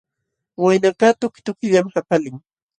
Waynakaq tuki tukillam qapalin.